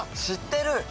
知ってる！